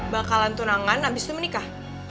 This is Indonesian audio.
bakalan tunangan abis itu menikah